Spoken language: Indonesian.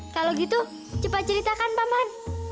kalau gitu coba ceritakan paman